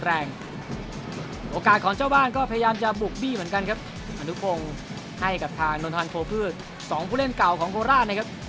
โอกาสของเจ้าบ้านก็พยายามจะบุกบี้เหมือนกันครับอนุพงศ์ให้กับทางนนทันโคพืชสองผู้เล่นเก่าของโคราชนะครับ